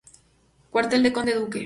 Cuartel del Conde Duque.